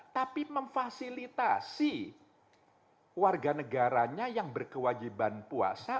tapi memfasilitasi warga negaranya yang berkewajiban puasa